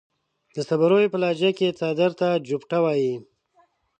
د صبريو پۀ لهجه کې څادر ته جوبټه وايي.